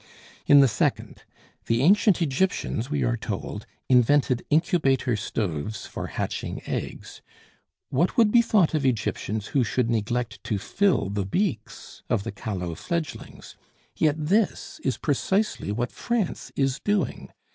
In the second the ancient Egyptians (we are told) invented incubator stoves for hatching eggs; what would be thought of Egyptians who should neglect to fill the beaks of the callow fledglings? Yet this is precisely what France is doing.